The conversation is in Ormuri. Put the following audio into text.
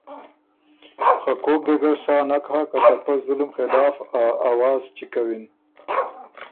خه کوک دې ګۀ سا نک هۀ که ته پۀ ظلم خلاف ا آواز چِګ کوِن